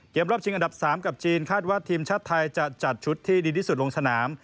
รอบชิงอันดับ๓กับจีนคาดว่าทีมชาติไทยจะจัดชุดที่ดีที่สุดลงสนาม